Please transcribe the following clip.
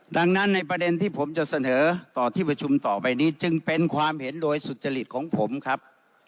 ดังนั้นในประเด็นที่ผมจะเสนอต่อที่ประชุมต่อไปนี้จึงเป็นความเห็นโดยสุจริตของผมครับ